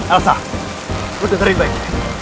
elsa berdengkarin baik